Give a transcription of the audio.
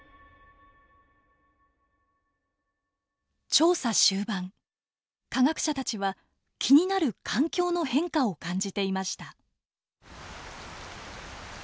調査終盤科学者たちは気になる環境の変化を感じていました。